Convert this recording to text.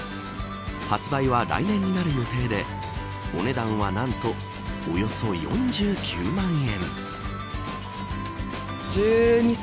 発売は来年になる予定でお値段は何とおよそ４９万円。